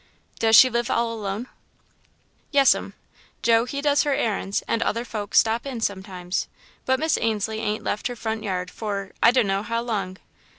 "Does she live all alone?" "Yes'm. Joe, he does her errands and other folks stops in sometimes, but Miss Ainslie ain't left her front yard for I d' know how long.